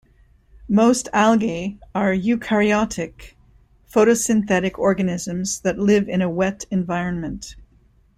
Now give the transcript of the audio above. Most algae are eukaryotic, photosynthetic organisms that live in a wet environment.